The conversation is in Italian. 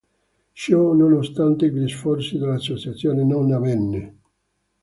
Ciò nonostante gli sforzi dell'associazione non avvenne.